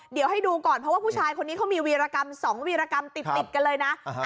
เดี๋ยวให้ดูก่อนเพราะว่าผู้ชายคนนี้เขามีวีรกรรม๒วีรกรรมติดกันเลยนะ